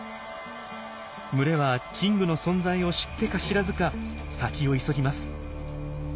群れはキングの存在を知ってか知らずか先を急ぎます。